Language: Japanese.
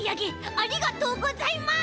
ありがとうございます！